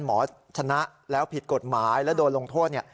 หมอชนะแล้วผิดกฎหมายแล้วโดนลงโทษ